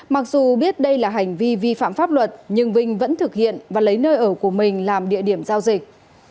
mặc dù biết đây là hành vi vi phạm pháp luật nhưng vinh vẫn thực hiện và lấy nơi ở của mình làm địa điểm giao dịch